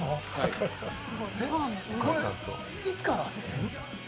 これ、いつからです？